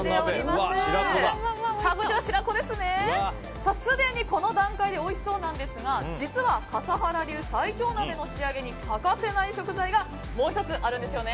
すでにこの段階でおいしそうなんですが実は、笠原流最強鍋の仕上げに欠かせない食材がもう１つあるんですよね。